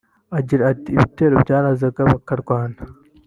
Agira ati “Ibitero byarazaga bakarwana